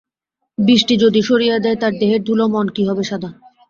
বৃষ্টি যদি সরিয়ে দেয় তার দেহের ধুলো, মন কি হবে সাদা?